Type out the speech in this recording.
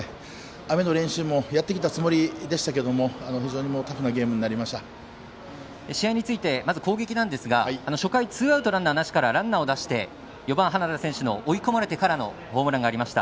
雨の練習もやってきたつもりでしたけど試合について、攻撃なんですが初回、ツーアウトランナーなしからランナーを出して４番花田選手の追い込まれてからのホームランがありました。